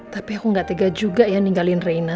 tapi aku gak tega juga ya ninggalin reyna